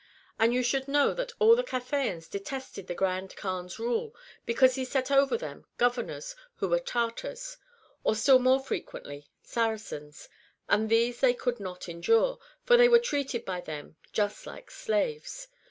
And you should know that all the Cathayans detested the Grand Kaan's rule because he set over them governors who were Tartars, or still more frequently Saracens, and these they could not endure, for they were treated by them just like slaves.